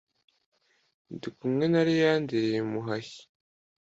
Ndi kumwe na Leyanderi Muhashyi !